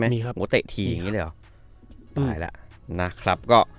มีครับ